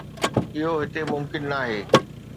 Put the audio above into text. اهو هتي ممڪن ناهي.